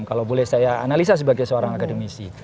kalau boleh saya analisa sebagai seorang akademisi